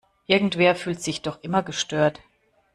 Irgendwer fühlt sich doch immer gestört.